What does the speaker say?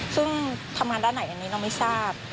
ซึ่งทำงานด้านไหนอันนี้เราไม่ทราบ